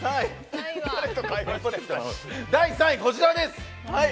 第３位は、こちらです。